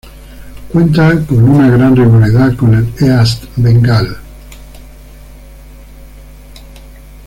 Cuenta con una gran rivalidad con el East Bengal.